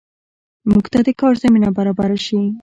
موږ ته د کار زمینه برابره شي